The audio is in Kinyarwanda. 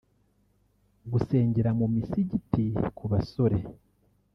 gusengera mu misigiti ku basore